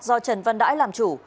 do trần văn đãi làm chủ